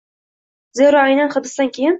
zero aynan hibsdan keyin